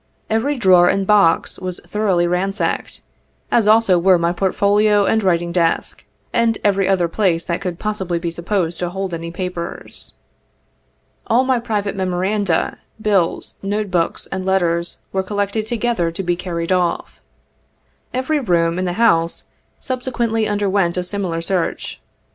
Every drawer and box was thoroughly ransacked, as also were my portfolio and writing desk, and every other place that could possibly be supposed to hold any papers. All my private memoranda, bills, note books, and letters were col lected together to be carried off. Every room in the house subsequently underwent a similar search.